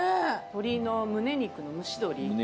鶏のむね肉の蒸し鶏。